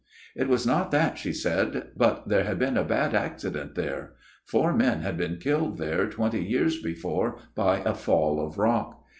'* It was not that, she said ; but there had been a bad accident there. Four men had been killed there twenty years before by a fall of rock.